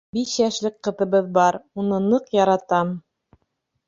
Биш йәшлек ҡыҙыбыҙ бар, уны ныҡ яратам.